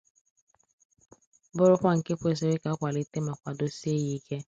bụrụkwa nke kwesiri ka a kwàlite ma kwàdosie ya ike.